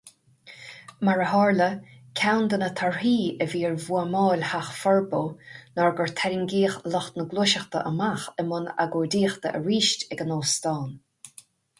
Mar a tharla, ceann de na torthaí a bhí ar bhuamáil Theach Furbo ná gur tarraingíodh lucht na Gluaiseachta amach i mbun agóidíochta arís ag an óstán.